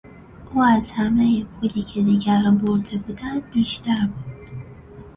او از همهی پولی که دیگران برده بودند بیشتر برد.